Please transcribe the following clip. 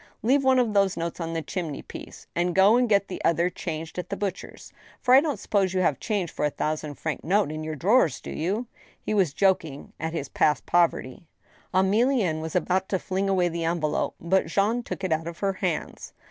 Leave one of those notes on the chimney piece, ... and go and get the other changed at the butcher's, for I don't suppose you have change for a thousand franc note in your drawers, have you ?" He was joking at his past poverty. Emilienne was about to fling away the envelope, but Jean took it out of her hands.